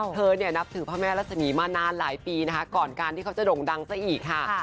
เธอเนี่ยนับถือพระแม่รัศมีมานานหลายปีนะคะก่อนการที่เขาจะด่งดังซะอีกค่ะ